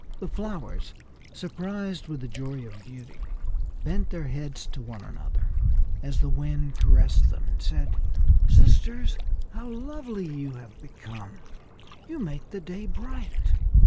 The flowers, surprised with the joy of beauty, bent their heads to one another, as the wind caressed them, and said: "Sisters, how lovely you have become. You make the day bright."